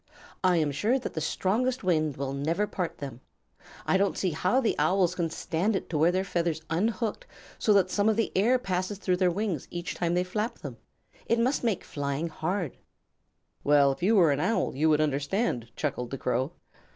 "I am sure that the strongest wind will never part them. I don't see how the Owls can stand it to wear their feathers unhooked so that some of the air passes through their wings each time they flap them. It must make flying hard." "Well, if you were an Owl you would understand," chuckled the Crow.